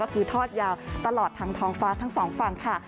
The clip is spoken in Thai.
ก็คือทอดยาวตลอดทางท้องฟ้าทั้งสองฝั่งค่ะ